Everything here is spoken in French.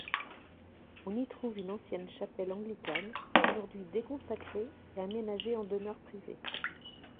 On y trouve une ancienne chapelle anglicane, aujourd'hui déconsacrée et aménagée en demeure privée.